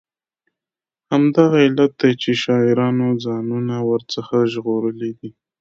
همدغه علت دی چې شاعرانو ځانونه ور څخه ژغورلي دي.